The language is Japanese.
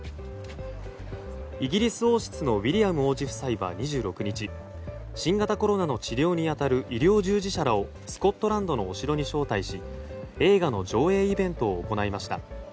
イギリス王室のウィリアム王子夫妻は２６日新型コロナの治療に当たる医療従事者らをスコットランドのお城に招待し映画の上映イベントを行いました。